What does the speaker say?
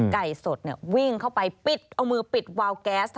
ไก่สดวิ่งเข้าไปปิดเอามือปิดวาวแก๊ส